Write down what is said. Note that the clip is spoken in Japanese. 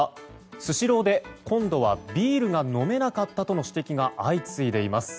スシローで今度はビールが飲めなかったとの指摘が相次いでいます。